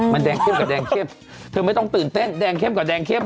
มันแดงเข้มกับแดงเข้มเธอไม่ต้องตื่นเต้นแดงเข้มกับแดงเข้ม